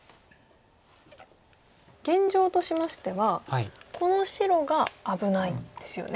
現状としましてはこの白が危ないんですよね。